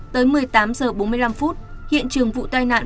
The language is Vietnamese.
tới một mươi tám h bốn mươi năm phút hiện trường vụ tai nạn